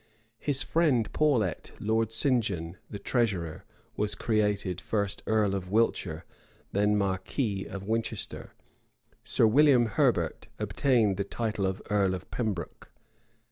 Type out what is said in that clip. His friend Paulet, Lord St. John, the treasurer, was created, first, earl of Wiltshire, then marquis of Winchester: Sir William Herbert obtained the title of earl of Pembroke.